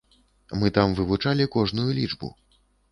Мы там вывучалі кожную лічбу.